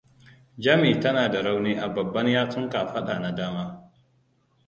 Jami tana da rauni a babban yatsun kafada na dama.